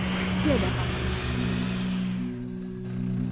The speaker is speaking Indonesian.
pasti ada apaan